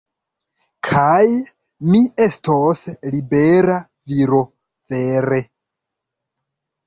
Kaj... mi estos libera viro, vere.